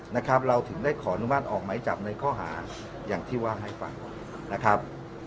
นะครับเราถึงได้ขออนุมัติออกไม้จับในข้อหาอย่างที่ว่าให้ฟังนะครับ